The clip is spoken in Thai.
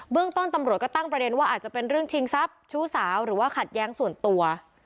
เรื่องต้นตำรวจก็ตั้งประเด็นว่าอาจจะเป็นเรื่องชิงทรัพย์ชู้สาวหรือว่าขัดแย้งส่วนตัว